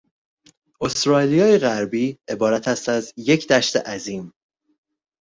استرالیای غربی عبارت است از یک دشت عظیم